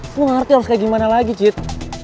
lo gak ngerti harus kayak gimana lagi cit